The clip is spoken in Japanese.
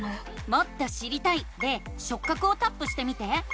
「もっと知りたい」で「しょっ角」をタップしてみて。